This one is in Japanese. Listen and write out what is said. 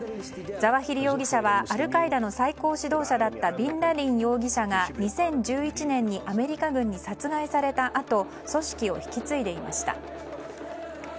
ザワヒリ容疑者はアルカイダの最高指導者だったビンラディン容疑者が２０１１年にアメリカ軍に殺害されたあと組織を引き継いでいました。